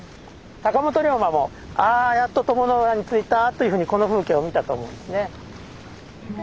坂本龍馬も「あやっと鞆の浦に着いた」というふうにこの風景を見たと思うんですね。